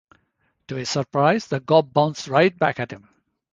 To his surprise, the gob bounced right back at him.